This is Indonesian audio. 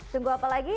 tunggu apa lagi